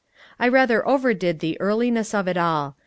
I rather overdid the earliness of it all.